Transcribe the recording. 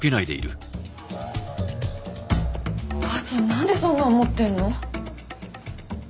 ばあちゃんなんでそんなの持ってんの？